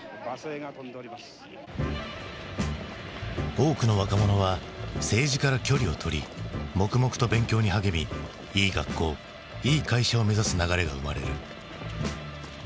多くの若者は政治から距離をとり黙々と勉強に励みいい学校いい会社を目指す流れが生まれる。